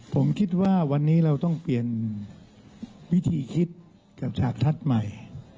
ผมคิดว่าวันนี้เราต้องเปลี่ยนวิธีคิดกับฉากทัศน์ใหม่